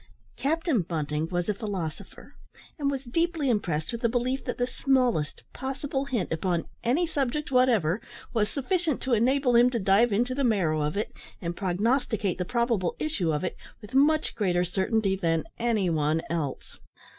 Captain Bunting was a philosopher, and was deeply impressed with the belief that the smallest possible hint upon any subject whatever was sufficient to enable him to dive into the marrow of it, and prognosticate the probable issue of it, with much greater certainty than any one else.